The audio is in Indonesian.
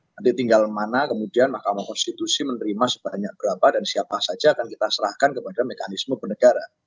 nanti tinggal mana kemudian mahkamah konstitusi menerima sebanyak berapa dan siapa saja akan kita serahkan kepada mekanisme bernegara